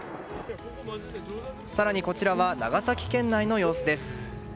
更に、こちらは長崎県内の様子です。